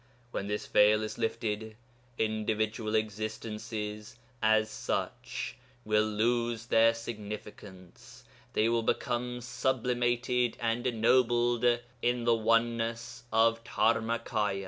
When this veil is lifted, individual existences as such will lose their significance; they will become sublimated and ennobled in the oneness of Dharmakâya.